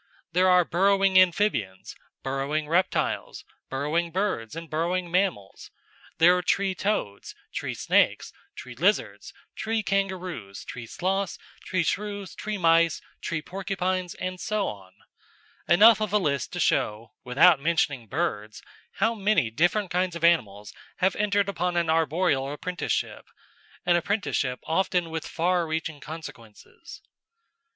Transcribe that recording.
There are burrowing amphibians, burrowing reptiles, burrowing birds, and burrowing mammals; there are tree toads, tree snakes, tree lizards, tree kangaroos, tree sloths, tree shrews, tree mice, tree porcupines, and so on; enough of a list to show, without mentioning birds, how many different kinds of animals have entered upon an arboreal apprenticeship an apprenticeship often with far reaching consequences.